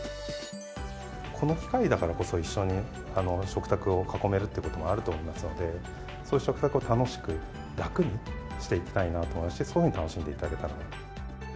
この機会だからこそ、一緒に食卓を囲めるということがあると思いますので、そういう食卓を楽しく、楽にしていきたいなと、そういうふうに楽しんでいただきたい。